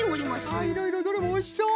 あいろいろどれもおいしそう！